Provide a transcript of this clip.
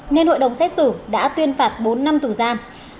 nên hội đồng xét xử đã tuyên phạt bốn năm tù giam